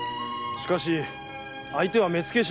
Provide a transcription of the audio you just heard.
しかし相手は目付衆。